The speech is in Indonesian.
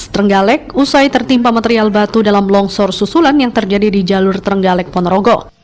trenggalek usai tertimpa material batu dalam longsor susulan yang terjadi di jalur trenggalek ponorogo